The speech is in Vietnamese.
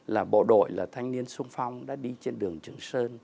là bộ đội là thanh niên sung phong đã đi trên đường trường sơn